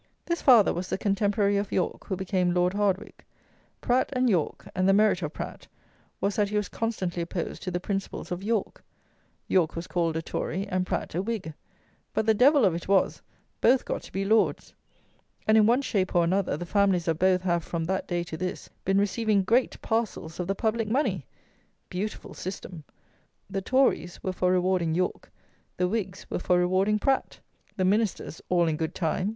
This father was the contemporary of Yorke, who became Lord Hardwicke. Pratt and Yorke, and the merit of Pratt was that he was constantly opposed to the principles of Yorke. Yorke was called a Tory and Pratt a Whig; but the devil of it was, both got to be Lords; and, in one shape or another, the families of both have, from that day to this, been receiving great parcels of the public money! Beautiful system! The Tories were for rewarding Yorke; the Whigs were for rewarding Pratt. The Ministers (all in good time!)